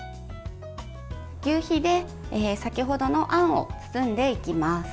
求肥で先ほどのあんを包んでいきます。